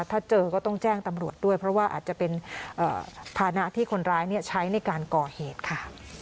ถ้าเจอก็ต้องแจ้งตำรวจด้วยเพราะว่าอาจจะเป็นภานะที่คนร้ายใช้ในการก่อเหตุค่ะ